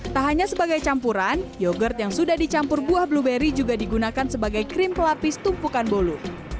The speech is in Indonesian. tak hanya sebagai campuran yogurt yang sudah dicampur buah blueberry juga digunakan sebagai krim pelapis tumpukan bolu